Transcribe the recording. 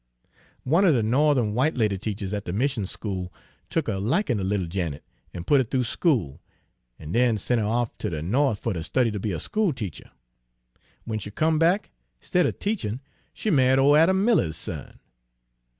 "One er de No'the'n w'ite lady teachers at de mission school tuck a likin' ter little Janet, an' put her thoo school, an' den sent her off ter de No'th fer ter study ter be a school teacher. W'en she come back, 'stead er teachin' she ma'ied ole Adam Miller's son."